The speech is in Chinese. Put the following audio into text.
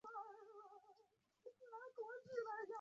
该死，我喜不喜欢你难道你感觉不到吗?